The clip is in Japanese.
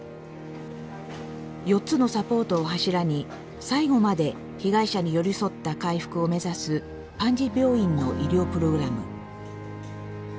４つのサポートを柱に最後まで被害者に寄り添った回復を目指すパンジ病院の医療プログラム。